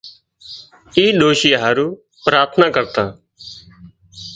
اِي ڏوشي هارو پراٿنا ڪرتان